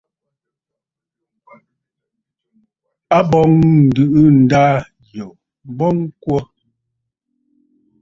A bɔŋ ǹdɨ̀ʼɨ ndâ yò m̀bɔŋ kwo.